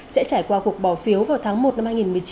sẽ trải qua cuộc bỏ phiếu vào tháng một năm hai nghìn một mươi chín